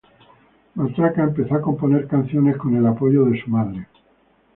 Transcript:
Matraca empezó a componer canciones con el apoyo de su madre.